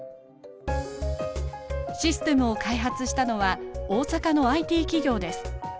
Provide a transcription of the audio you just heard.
システムを開発したのは大阪のＩＴ企業です。